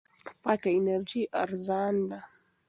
پاکه انرژي ارزان ده.